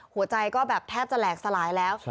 หัวใจก็แบบแทบจะแหลกสลายแล้ว